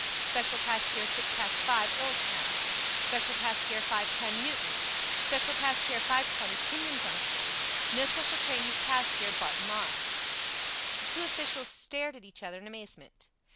"Special passed here six past five. Earlstown." "Special passed here 5:10. Newton." "Special passed here 5:20. Kenyon Junction." "No special train has passed here. Barton Moss." The two officials stared at each other in amazement.